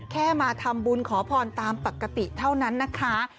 แค่มาทำบุญขอพรตามปกติเท่านั้นนะคะ